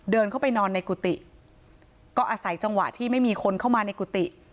เดินเข้าไปนอนในกุฏิก็อาศัยจังหวะที่ไม่มีคนเข้ามาในกุฏิ